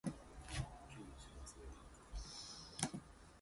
Govindpur colliery is an operating underground mine.